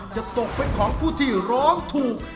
จะตกเป็นของผู้ที่ร้องถูก